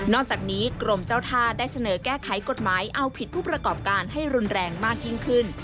อกจากนี้กรมเจ้าท่าได้เสนอแก้ไขกฎหมายเอาผิดผู้ประกอบการให้รุนแรงมากยิ่งขึ้น